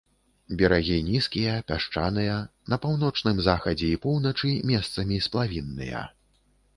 Берагі нізкія, пясчаныя, на паўночным захадзе і поўначы месцамі сплавінныя.